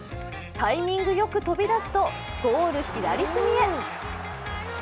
タイミングよく飛び出すとゴール左隅へ。